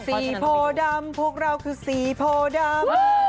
โพดำพวกเราคือสีโพดำ